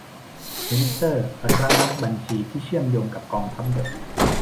ทวิตเตอร์ระงับบัญชีที่เชื่อมโยงกับกองทัพบก